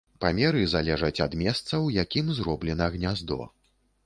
Памеры залежаць ад месца, у якім зроблена гняздо.